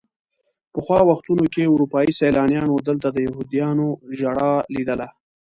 پخوا وختونو کې اروپایي سیلانیانو دلته د یهودیانو ژړا لیدله.